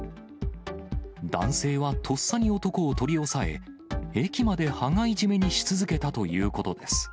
男性はとっさに男を取り押さえ、駅まで羽交い締めにし続けたということです。